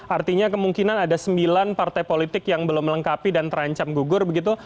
artinya kemungkinan ada sembilan partai politik yang belum melengkapi dan terancam gugur begitu